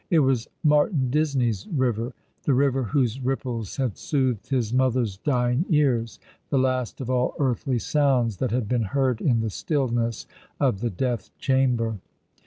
It was Martin Disney's river — the river whoso ripples had soothed his mother's dying ears— the last of all earthly sounds that had been heard in the stillness of the death chamber.